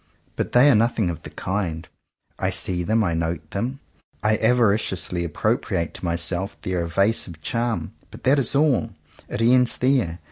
But they are nothing of the kind. I see them, I note them, I ava riciously appropriate to myself their evasive charm. But that is all. It ends there.